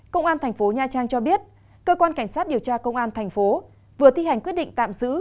công an thành phố nha trang cho biết cơ quan cảnh sát điều tra công an thành phố vừa thi hành quyết định tạm giữ